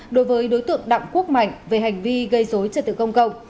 đối tượng đặng quốc mạnh về hành vi gây dối trợ tự công cộng